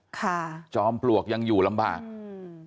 จอมปลวกยังอยู่ลำบากอืม